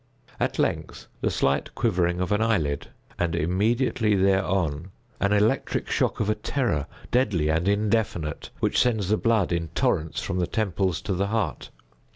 At length the slight quivering of an eyelid, and immediately thereupon, an electric shock of a terror, deadly and indefinite, which sends the blood in torrents from the temples to the heart.